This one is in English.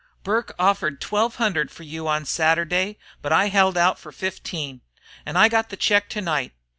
Burke offered twelve hundred fer you on Saturday, but I held out fer fifteen. An' I got the check to night.